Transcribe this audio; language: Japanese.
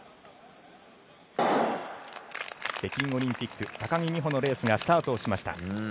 北京オリンピック、高木美帆のレースがスタートをしました。